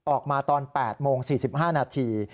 ออกมาตอน๘โมง๔๕นาที